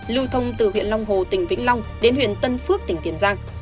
lưu thông từ huyện long hồ tỉnh vĩnh long đến huyện tân phước tỉnh tiền giang